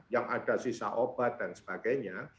yang ada sisa obat dan sebagainya